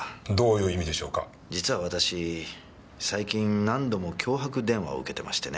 実は私最近何度も脅迫電話を受けてましてね。